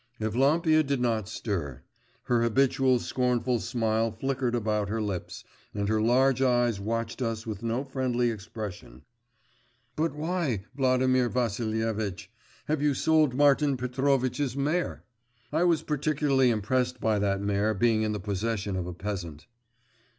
Evlampia did not stir; her habitual scornful smile flickered about her lips, and her large eyes watched us with no friendly expression. 'But why, Vladimir Vassilievitch, have you sold Martin Petrovitch's mare?' (I was particularly impressed by that mare being in the possession of a peasant.)